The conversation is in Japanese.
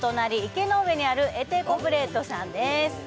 池ノ上にあるエテコブレッドさんです